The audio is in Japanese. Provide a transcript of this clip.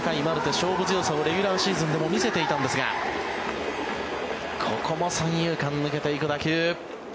勝負強さをレギュラーシーズンでも見せていたんですがここも三遊間、抜けていく打球。